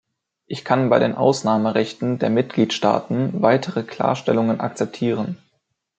Ich kann bei den Ausnahmerechten der Mitgliedstaaten weitere Klarstellungen akzeptieren.